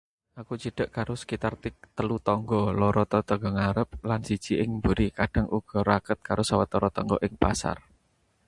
Aku cidek karo sakitar 3 tonggo: loro tetanggan ngarep lan siji ing mburi. Kadhang uga raket karo sawetara tonggo ing pasar. Kowe piro?